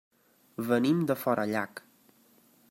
Venim de Forallac.